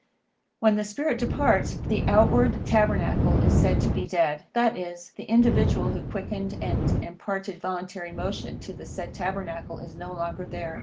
When this spirit departs, the outward tabernacle is said to be dead, that is, the individual who quickened and imparted voluntary motion to the said tabernacle is no longer there.